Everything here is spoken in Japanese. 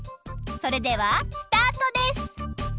それではスタートです！